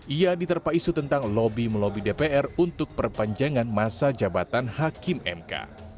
ia diterpaisu tentang lobi melobi dpr untuk perpanjangan masa jabatan hakim m k